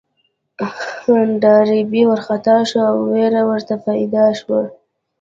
ډاربي وارخطا شو او وېره ورته پيدا شوه.